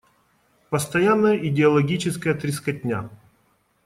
Постоянная идеологическая трескотня.